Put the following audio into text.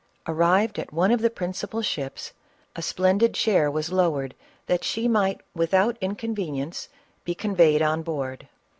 Arrived at one of the principal ships, a splendid chair was lowered that she might without inconvenience be conveyed on board.